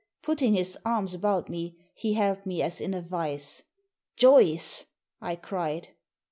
Putting his arms about me he held me as in a vice. "Joyce!" I cried.